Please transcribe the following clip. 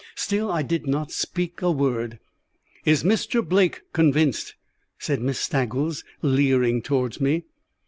Still I did not speak a word. "Is Mr. Blake convinced?" said Miss Staggles, leering towards me.